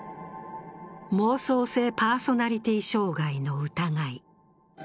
妄想性パーソナリティー障害の疑い。